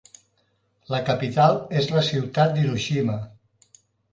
La capital és la ciutat d'Hiroshima.